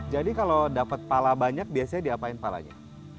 jadi kalau dapat pala banyak biasanya diapain palanya